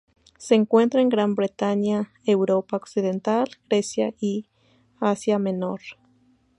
Se encuentra en Gran Bretaña, Europa Occidental, Grecia, y Asia menor.